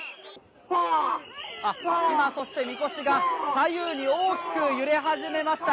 今、みこしが左右に大きく揺れ始めました。